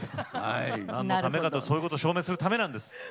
何のためかとそういうことを証明するためなんです。